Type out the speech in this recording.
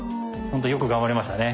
本当よく頑張りましたね。